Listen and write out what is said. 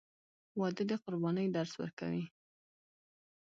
• واده د قربانۍ درس ورکوي.